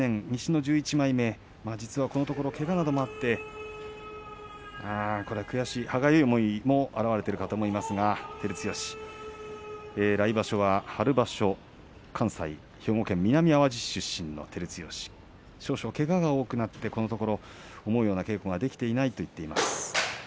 西の１１枚目実はこのところけがなどもあって悔しい、歯がゆい思いも表れていると思いますが照強来場所は春場所関西兵庫県南あわじ市出身の照強少々けがが多くなってこのところ思うような稽古ができていないと言っています。